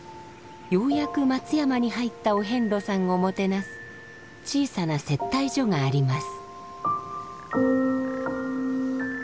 ようやく松山に入ったお遍路さんをもてなす小さな接待所があります。